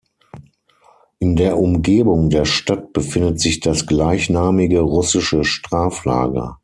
In der Umgebung der Stadt befindet sich das gleichnamige russische Straflager.